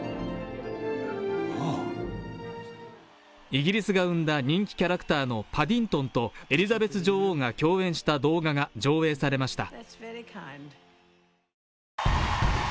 イギリスが生んだ人気キャラクターのパディントンとエリザベス女王が共演した動画が上映されました。